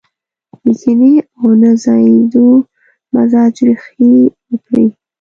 د کينې او نه ځايېدو مزاج ريښې وکړي.